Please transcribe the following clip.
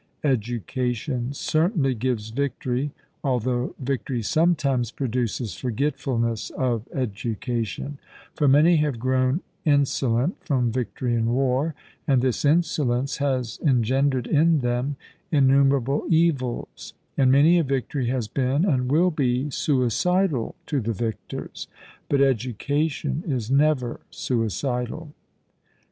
Education certainly gives victory, although victory sometimes produces forgetfulness of education; for many have grown insolent from victory in war, and this insolence has engendered in them innumerable evils; and many a victory has been and will be suicidal to the victors; but education is never suicidal.